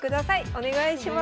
お願いします。